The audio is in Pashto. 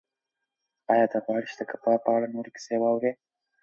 ایا ته غواړې چې د کباب په اړه نورې کیسې واورې؟